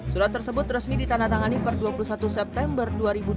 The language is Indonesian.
surat tersebut resmi ditandatangani per dua puluh satu september dua ribu dua puluh